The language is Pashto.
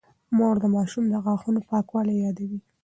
مور د ماشوم د غاښونو پاکوالی يادوي.